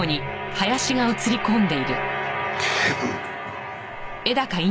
警部！